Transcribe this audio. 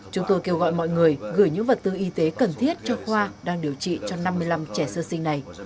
chúng tôi kêu gọi mọi người gửi những vật tư y tế cần thiết cho khoa đang điều trị cho năm mươi năm trẻ sơ sinh này